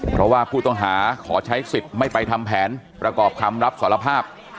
เพราะว่าผู้ต้องหาขอใช้สิทธิ์ไม่ไปทำแผนประกอบคำรับสารภาพ